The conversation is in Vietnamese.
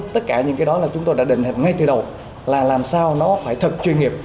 tất cả những cái đó là chúng tôi đã định ngay từ đầu là làm sao nó phải thật chuyên nghiệp